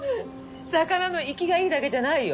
魚の生きがいいだけじゃないよ。